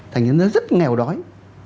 thành ra nó rất nghèo đói